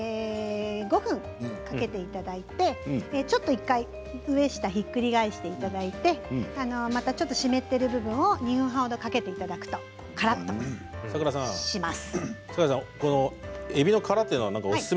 ６００ワットで５分かけていただいて１回上下ひっくり返していただいて湿っている部分を２分半ほどかけていただくとからっとなります。